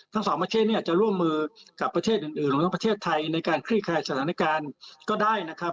สองประเทศเนี่ยจะร่วมมือกับประเทศอื่นรวมทั้งประเทศไทยในการคลี่คลายสถานการณ์ก็ได้นะครับ